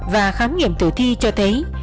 và khám nghiệm tử thi cho thấy